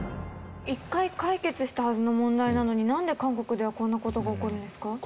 一回解決したはずの問題なのになんで韓国ではこんな事が起こるんですか？